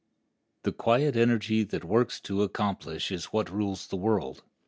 The quiet energy that works to accomplishment is what rules the world.